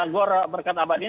gor berkat abad ini